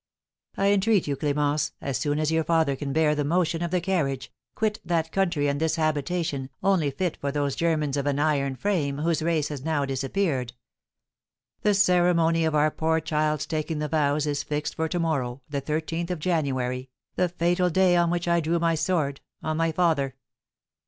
I entreat you, Clémence, as soon as your father can bear the motion of the carriage, quit that country and this habitation, only fit for those Germans of an iron frame whose race has now disappeared. The ceremony of our poor child's taking the vows is fixed for to morrow, the thirteenth of January, the fatal day on which I drew my sword on my father!